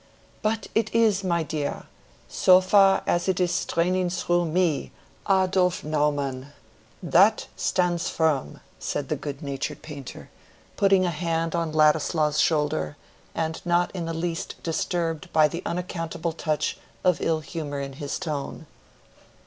"But it is, my dear!—so far as it is straining through me, Adolf Naumann: that stands firm," said the good natured painter, putting a hand on Ladislaw's shoulder, and not in the least disturbed by the unaccountable touch of ill humor in his tone.